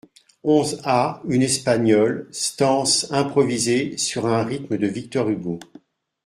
onzeº A une Espagnole, stances improvisées sur un rythme de Victor Hugo.